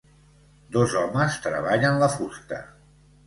Dos homes treballen la fusta.